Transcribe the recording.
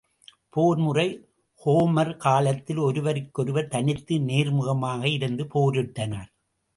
போர் முறை ஹோமர் காலத்தில் ஒருவருக்கொருவர் தனித்து நேர்முகமாக இருந்து போரிட்டனர்.